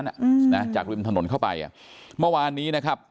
อืมนะจากริมถนนเข้าไปอ่ะเมื่อวานนี้นะครับ